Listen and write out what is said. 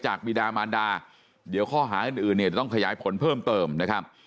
บีดามานดาเดี๋ยวข้อหาอื่นเนี่ยต้องขยายผลเพิ่มเติมนะครับ